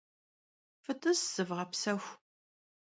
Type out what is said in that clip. Fıt'ıs, zıvğepsexu!